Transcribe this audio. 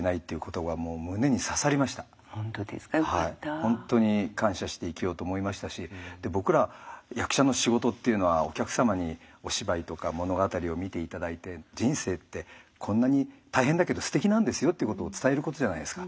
本当に感謝して生きようと思いましたし僕ら役者の仕事っていうのはお客様にお芝居とか物語を見て頂いて人生ってこんなに大変だけどすてきなんですよってことを伝えることじゃないですか。